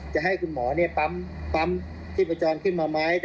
จะให้คุณหมอปั๊มชีพจรขึ้นมาไหม